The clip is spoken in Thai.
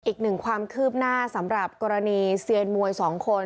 อีกหนึ่งความคืบหน้าสำหรับกรณีเซียนมวย๒คน